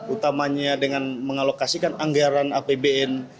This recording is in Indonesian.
utamanya dengan mengalokasikan anggaran apbn